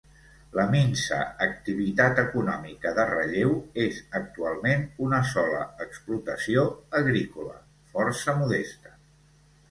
La minsa activitat econòmica de Ralleu és actualment una sola explotació agrícola, força modesta.